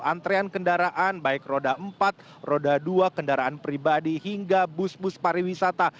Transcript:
antrean kendaraan baik roda empat roda dua kendaraan pribadi hingga bus bus pariwisata